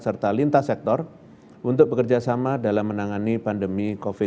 serta lintas sektor untuk bekerjasama dalam menangani pandemi covid sembilan belas